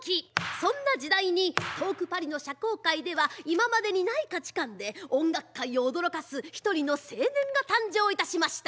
そんな時代に遠くパリの社交界では今までにない価値観で音楽界を驚かす１人の青年が誕生いたしました。